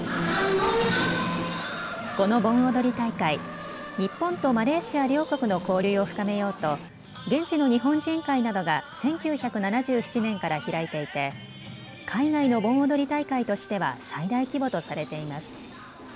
この盆踊り大会、日本とマレーシア両国の交流を深めようと現地の日本人会などが１９７７年から開いていて海外の盆踊り大会としては最大規模とされています。